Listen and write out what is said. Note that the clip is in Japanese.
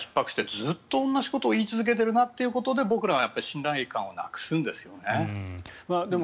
ずっと同じことを言い続けているなっていうので僕らは信頼感をなくすんですよね。